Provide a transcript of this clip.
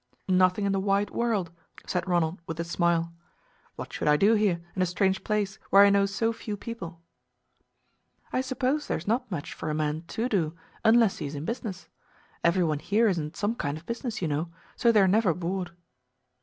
"Nothing in the wide world," said Ronald with a smile. "What should I do here, in a strange place, where I know so few people?" "I suppose there is not much for a man to do, unless he is in business. Every one here is in some kind of business, you know, so they are never bored."